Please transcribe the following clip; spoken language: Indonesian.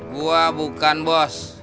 gua bukan bos